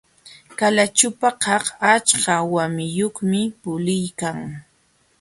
Qalaćhupakaq achka wawiyuqmi puliykan.